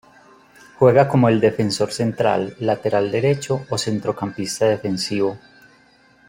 Juega como defensor central, lateral derecho o centrocampista defensivo.